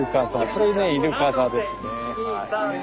これねイルカ座ですねはい。